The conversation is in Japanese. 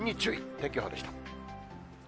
天気予報でした。